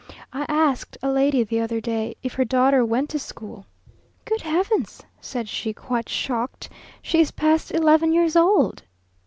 I asked a lady the other day if her daughter went to school. "Good heavens!" said she, quite shocked, "she is past eleven years old!"